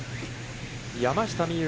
山下美夢